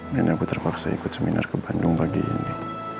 dan aku terpaksa ikut seminar ke bandung pagi ini